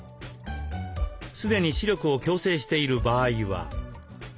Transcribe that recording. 既に視力を矯正している場合は。